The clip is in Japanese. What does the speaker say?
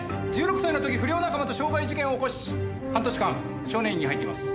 １６歳の時不良仲間と傷害事件を起こし半年間少年院に入っています。